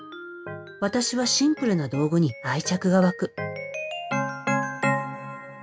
私はシンプルな道具に愛着が湧く。